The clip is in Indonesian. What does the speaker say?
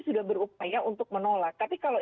sudah berupaya untuk menolak tapi kalau